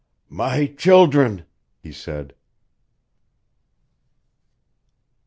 "My children!" he said.